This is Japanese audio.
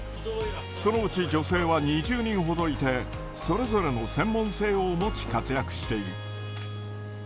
そのうち女性は２０人ほどいて、それぞれの専門性を持ち、活躍している。